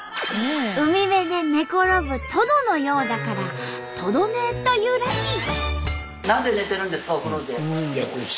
海辺で寝転ぶトドのようだから「トド寝」というらしい。